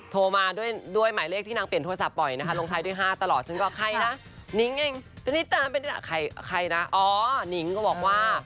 โทรมาด้วยหมายเลขที่นางเปลี่ยนโทรศัพท์ปล่อยนะคะลงท้ายด้วย๕ตลอดซึ่งก็ใครนะนิ้งเองอันนี้ตามเป็นใครนะอ๋อนิ้งก็บอกว่า